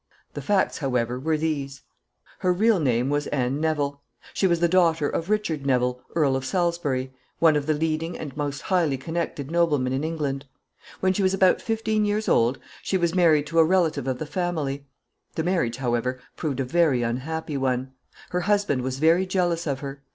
The facts, however, were these. [Sidenote: Her story.] Her real name was Anne Neville. She was the daughter of Richard Neville, Earl of Salisbury, one of the leading and most highly connected noblemen in England. When she was about fifteen years old she was married to a relative of the family. The marriage, however, proved a very unhappy one. Her husband was very jealous of her.